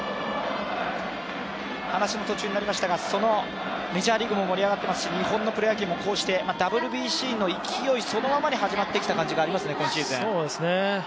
話の途中になりましたが、メジャーリーグも盛り上がっていますし、日本のプロ野球もこうしてＷＢＣの勢いそのまま始まってきた感じがありますね、今シーズン。